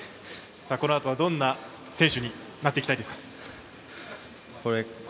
このあとは、どんな選手になっていきたいですか。